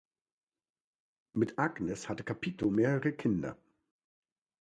Mit Agnes hatte Capito mehrere Kinder.